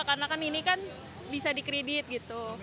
karena kan ini kan bisa dikredit gitu